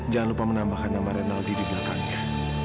jangan lupa menambahkan nama renaldi di belakangnya